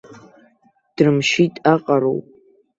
Дрымшьит аҟароуп.